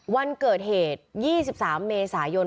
วันเกิดเหตุ๒๓เมษายน